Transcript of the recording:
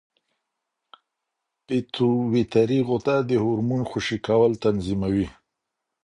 پېټویټري غده د هورمون خوشې کول تنظیموي.